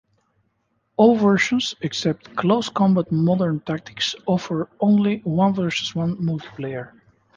All versions except "Close Combat: Modern Tactics" offer only one versus one multiplayer.